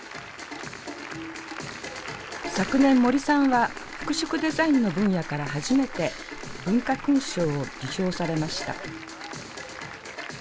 昨年森さんは服飾デザインの分野から初めて文化勲章を受章されました。